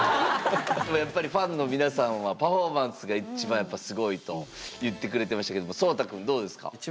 やっぱりファンの皆さんはパフォーマンスが一番すごいと言ってくれてましたけどもＳＯＴＡくんどうですか？